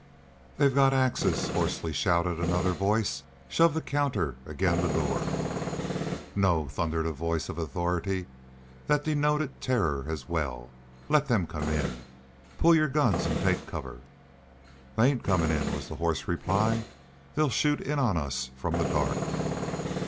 "They've got axes," hoarsely shouted another voice. "Shove the counter ag'in' the door." "No!" thundered a voice of authority that denoted terror as well. "Let them come in. Pull your guns an' take to cover!" "They ain't comin' in," was the hoarse reply. "They'll shoot in on us from the dark."